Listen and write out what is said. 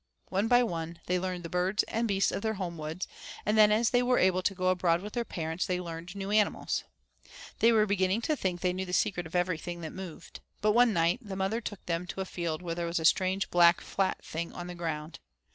One by one they learned the birds and beasts of their home woods, and then as they were able to go abroad with their parents they learned new animals. They were beginning to think they knew the scent of everything that moved. But one night the mother took them to a field where there was a strange black flat thing on the ground.